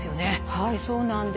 はいそうなんです。